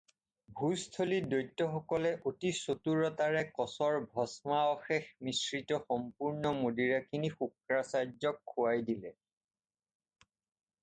ভোজস্থলীত দৈত্যসকলে অতি চতুৰতাৰে কচৰ ভস্মাৱশেষ মিশ্ৰিত সম্পূৰ্ণ মদিৰাখিনি শুক্ৰাচাৰ্য্যক খুৱাই দিলে।